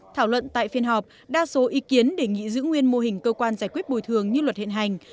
thảo luận tại phiên họp đa số ý kiến đề nghị giữ nguyên mô hình cơ quan giải quyết bồi thường như luật hiện hành